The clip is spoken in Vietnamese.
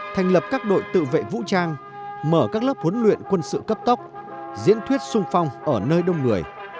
thành lập các đội tự vệ vũ trang mở các lớp huấn luyện quân sự cấp tốc diễn thuyết sung phong ở nơi đông người